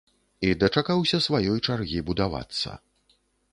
І дачакаўся сваёй чаргі будавацца.